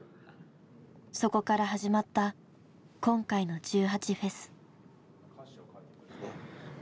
そこから始まった今回の１８祭。